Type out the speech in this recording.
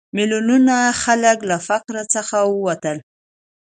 میلیونونه خلک له فقر څخه ووتل.